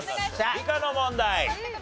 理科の問題。